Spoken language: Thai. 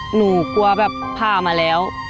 หนูกลัวแบบผ่ามาแล้ว